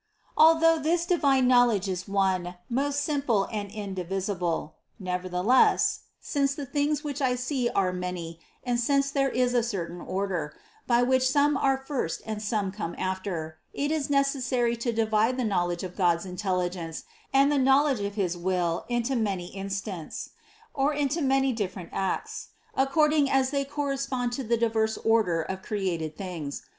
34. Although this divine knowledge is one, most sim ple and indivisible, nevertheless, since the things which I see are many, and since there is a certain order, by which some are first and some come after, it is necessary to divide the knowledge of God's intelligence and the knowledge of his will into many instants, or into many different acts, according as they correspond to the diverse orders of created things.